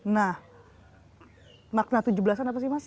nah makna tujuh belas an apa sih mas